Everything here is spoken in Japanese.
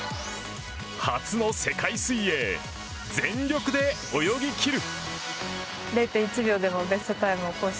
初の世界水泳、全力で泳ぎ切る。